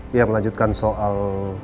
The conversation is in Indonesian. dia melanjutkan soal